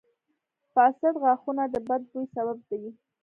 • فاسد غاښونه د بد بوي سبب دي.